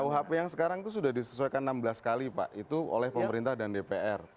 kuhp yang sekarang itu sudah disesuaikan enam belas kali pak itu oleh pemerintah dan dpr